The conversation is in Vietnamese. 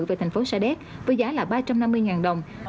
về tp sa đéc với giá là ba trăm năm mươi đồng